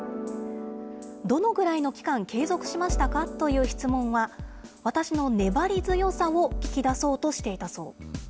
どのぐらいの期間、継続しましたかという質問は、私の粘り強さを聞き出そうとしていたそう。